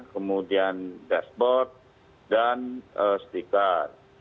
kemudian dashboard dan setikat